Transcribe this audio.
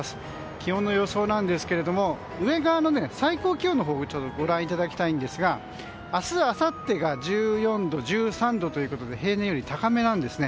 気温の予想ですが上側の最高気温のほうをご覧いただきたいんですが明日あさってが１４度１３度ということで平年より高めなんですね。